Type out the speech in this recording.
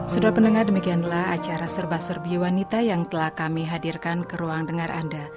sudah mendengar demikianlah acara serba serbi wanita yang telah kami hadirkan ke ruang dengar anda